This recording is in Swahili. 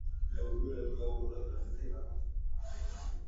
waliotokana na Adam Baada ya Adam na Eva kuasi Sabato ni moja ya Zawadi